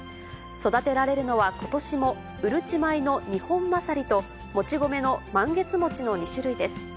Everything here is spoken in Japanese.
育てられるのはことしも、うるち米のニホンマサリと、もち米のマンゲツモチの２種類です。